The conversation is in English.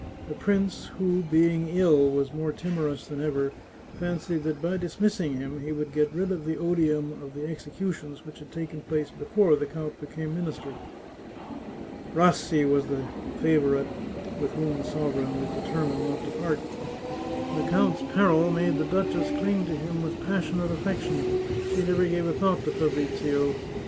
The prince, who, being ill, was more timorous than ever, fancied that by dismissing him he would get rid of the odium of the executions which had taken place before the count be came minister. Rassi was the favourite with whom the sovereign was determined not to part. The count's peril made the duchess cling to him with passionate affection ; she never gave a thought to Fabrizio.